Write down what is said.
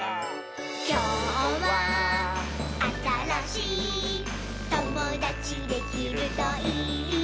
「きょうはあたらしいともだちできるといいね」